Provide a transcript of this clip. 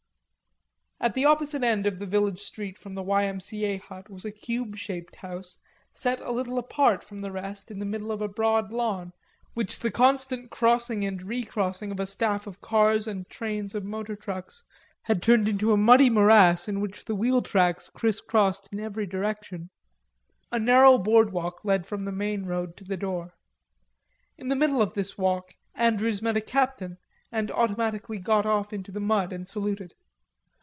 At the opposite end of the village street from the Y. M. C. A. hut was a cube shaped house set a little apart from the rest in the middle of a broad lawn which the constant crossing and recrossing of a staff of cars and trains of motor trucks had turned into a muddy morass in which the wheel tracks crisscrossed in every direction. A narrow board walk led from the main road to the door. In the middle of this walk Andrews met a captain and automatically got off into the mud and saluted.